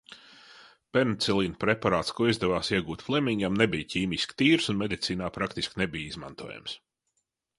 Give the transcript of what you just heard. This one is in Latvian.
Penicilīna preparāts, ko izdevās iegūt Flemingam, nebija ķīmiski tīrs un medicīnā praktiski nebija izmantojams.